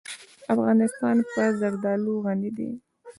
افغانستان په زردالو غني دی.